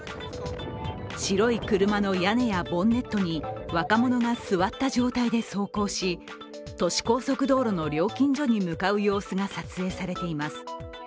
白い車の屋根やボンネットに若者が座った状態で走行し都市高速道路の料金所に向かう様子が撮影されています。